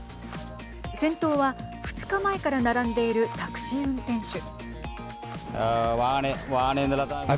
先頭は、２日前から並んでいるタクシー運転手。